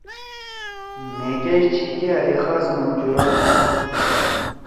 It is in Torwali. مھے کیش چھی کیا اے خاص منجُورا تُھو۔